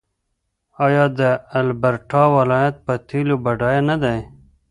آیا د البرټا ولایت په تیلو بډایه نه دی؟